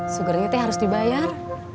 sugarnya teh harus dibayar